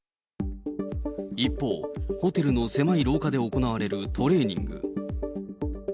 一方、ホテルの狭い廊下で行われるトレーニング。